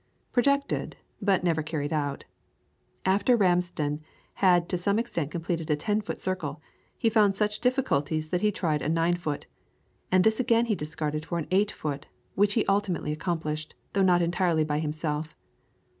Projected, but never carried out. After Ramsden had to some extent completed a 10 foot circle, he found such difficulties that he tried a 9 foot, and this again he discarded for an 8 foot, which was ultimately accomplished, though not entirely by himself.